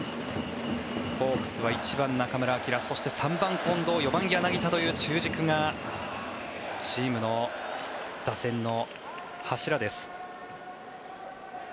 ホークスは１番、中村晃そして３番、近藤４番、柳田という中軸がチームの打線の柱です。